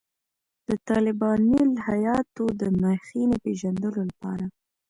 د طالباني الهیاتو د مخینې پېژندلو لپاره.